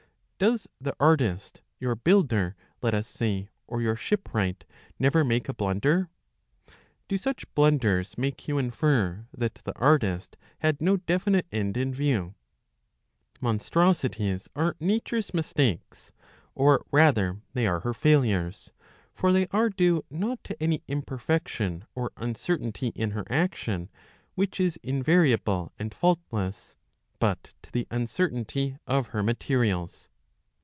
Does the artist, your builder, let us say, or your shipwright, never make a blunder?^ Do such blunders make you infer that the artist had no definite end in view ? Monstrosities are Nature's mistakes ; or, rather, they are her failures ; for they are due not to any imperfection or uncertainty in her action, which is invariable and faultless, but to the] .un certainty of her materials.